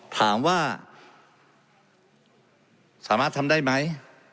ถามว่าสามารถทำได้ไหม